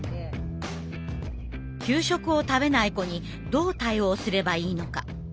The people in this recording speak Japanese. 給食を食べない子にどう対応すればいいのか。